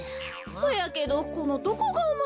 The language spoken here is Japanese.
そやけどこのどこがおもしろいんや？